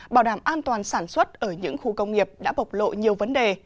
bảo đảm an toàn sản xuất ở những khu công nghiệp đã bộc lộ nhiều vấn đề